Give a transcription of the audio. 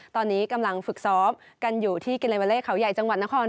ตอนนี้กำลังฝึกซ้อมกันอยู่ที่กิเลเวอเล่เขาใหญ่จังหวัดนคร